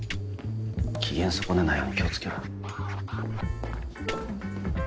機嫌損ねないように気を付けろよ。